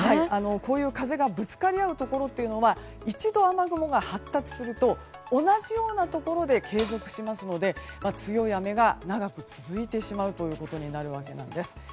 こういう風がぶつかり合うところは一度、雨雲が発達すると同じようなところで継続しますので、強い雨が長く続いてしまうことになるわけです。